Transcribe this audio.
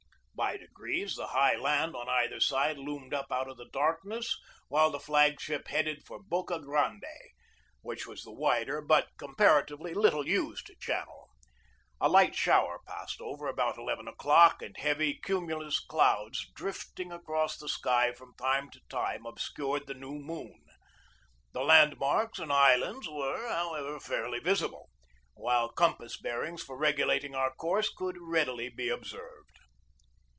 By degrees the high land on either side loomed up out of the darkness, while the flag ship headed for Boca Grande, which was the wider but comparatively little used channel. A light shower passed over about eleven o'clock and heavy, cumulus clouds drifting across the sky from time to time obscured the new moon. The landmarks and islands were, however, fairly visible, while compass bearings for regulating our course could readily be observed.